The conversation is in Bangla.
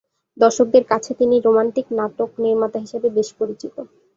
দর্শকদের কাছে তিনি রোমান্টিক নাটক নির্মাতা হিসেবে বেশ পরিচিত।